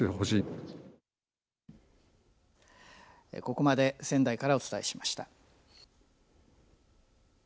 ここまで仙台からお伝えしました。